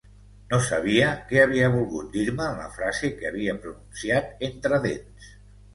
No sabia què havia volgut dir-me en la frase que havia pronunciat entre dents.